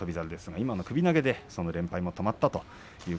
今の首投げでその連敗も止まりました。